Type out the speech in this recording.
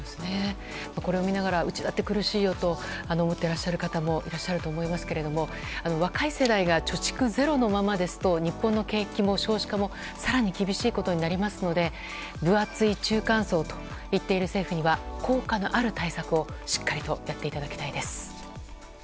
これを見ながら、うちだって苦しいよと思っていらっしゃる方も多いと思いますけど若い世代が貯蓄０のままですと日本の景気も少子化も更に厳しいことになりますので分厚い中間層と言っている政府には、効果のある対策をしっかりとやっていただきたいです。